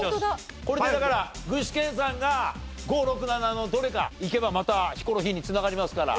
これでだから具志堅さんが５６７のどれかいけばまたヒコロヒーに繋がりますから。